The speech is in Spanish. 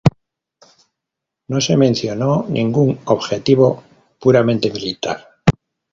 No se mencionó ningún objetivo puramente militar.